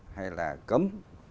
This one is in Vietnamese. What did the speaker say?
hay là cấm